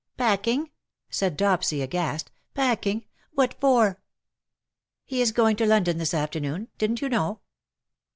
'''" Packing V cried Dopsy, aghast. " Packing ! What for V " He is going to London this afternoon. Didn^t you know